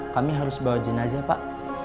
kami harus bawa jenazah pak